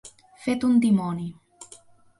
Fet un dimoni.